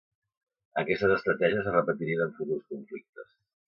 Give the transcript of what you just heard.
Aquestes estratègies es repetirien en futurs conflictes.